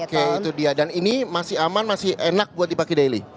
oke itu dia dan ini masih aman masih enak buat dipakai daily